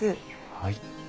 はい。